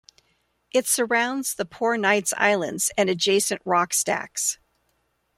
It surrounds the Poor Knights Islands and adjacent rock stacks.